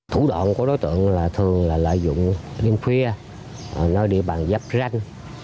thủ đoạn của đối tượng là thường là lợi dụng đêm khuya nơi địa bàn giáp ranh